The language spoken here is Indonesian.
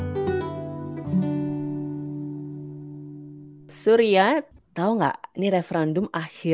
dan orang orang harus menentukan itu